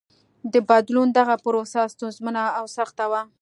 د بدلون دغه پروسه ستونزمنه او سخته وه.